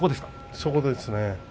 そうです。